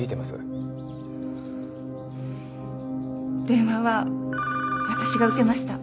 電話は私が受けました。